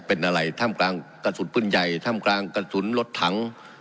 เป็นอะไรถ้ำกลางกระสุนปืนใหญ่ถ้ำกลางกระสุนรถถัง